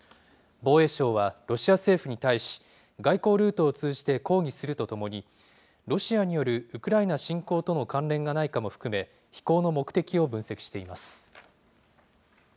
防衛省はロシア政府に対し、外交ルートを通じて抗議するとともに、ロシアによるウクライナ侵攻との関連がないかも含め、飛行の目的を分析しています。